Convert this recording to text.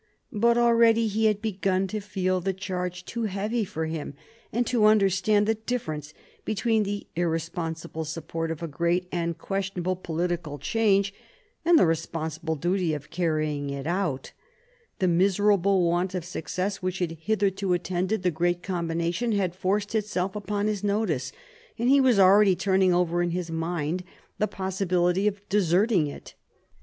But already he had begun to feel the charge too heavy for him, and to understand the difference between the irresponsible support of a great and questionable political change and the respon sible duty of carrying it out The miserable want of success which had hitherto attended the great combina tion had forced itself upon his notice, and he was already turning over in his mind the possibility of deserting it.